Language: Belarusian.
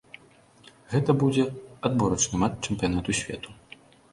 Гэта будзе адборачны матч чэмпіянату свету.